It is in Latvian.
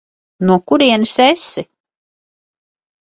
No kurienes esi?